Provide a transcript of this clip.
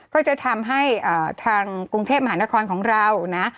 ก็จะทำให้ทางกรุงเทพมหานครของเรานะ